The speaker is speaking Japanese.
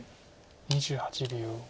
２８秒。